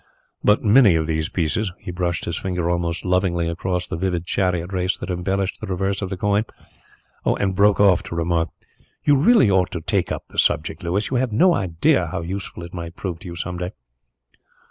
But many of these pieces " He brushed his finger almost lovingly across the vivid chariot race that embellished the reverse of the coin, and broke off to remark: "You really ought to take up the subject, Louis. You have no idea how useful it might prove to you some day."